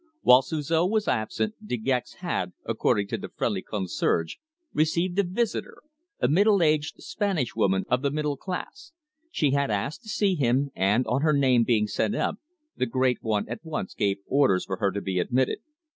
While Suzor was absent De Gex had, according to the friendly concierge, received a visitor, a middle aged Spanish woman of the middle class. She had asked to see him, and on her name being sent up the great one at once gave orders for her to be admitted.